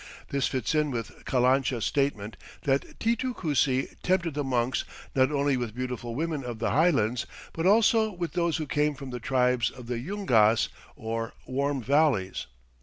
This fits in with Calancha's statement that Titu Cusi tempted the monks not only with beautiful women of the highlands, but also with those who came from the tribes of the Yungas, or "warm valleys."